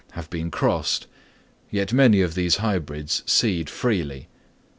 have been crossed, yet many of these hybrids seed freely.